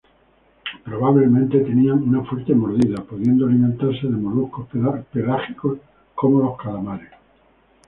Probablemente tenían una fuerte mordida, pudiendo alimentarse de moluscos pelágicos como los calamares.